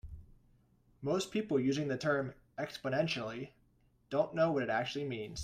Most people using the term "exponentially" don't know what it actually means.